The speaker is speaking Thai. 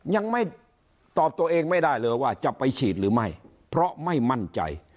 ยังไม่ตอบตัวเองไม่ได้เลยว่าจะไปฉีดหรือไม่เพราะไม่มั่นใจ